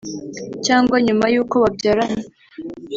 cyangwa nyuma y'uko babyarana